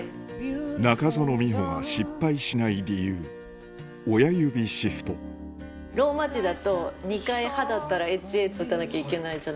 中園ミホが失敗しない理由親指シフトローマ字だと２回「は」だったら「ＨＡ」って打たなきゃいけないじゃないですか。